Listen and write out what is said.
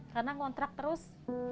karena ngontrak terus